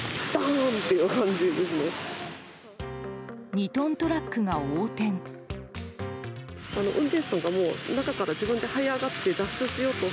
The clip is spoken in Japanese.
２トントラックが横転。